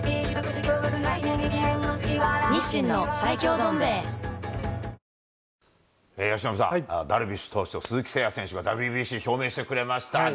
どん兵衛由伸さん、ダルビッシュ投手と鈴木誠也選手がＷＢＣ表明してくれましたね。